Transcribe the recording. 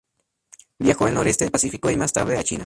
Viajó al Noroeste del Pacífico y más tarde a China.